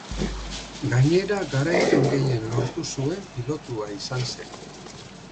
Gainera, garaipen gehien lortu zuen pilotua izan zen.